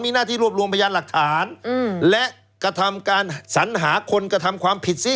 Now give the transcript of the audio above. มีหน้าที่รวบรวมพยานหลักฐานและกระทำการสัญหาคนกระทำความผิดซิ